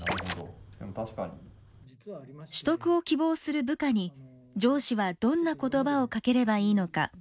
取得を希望する部下に上司はどんな言葉をかければいいのか。